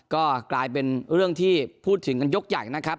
ก็กลายเป็นเรื่องที่พูดถึงกันยกใหญ่นะครับ